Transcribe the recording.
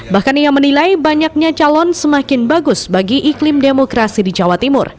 bahkan ia menilai banyaknya calon semakin bagus bagi iklim demokrasi di jawa timur